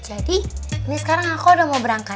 jadi ini sekarang aku udah mau berangkat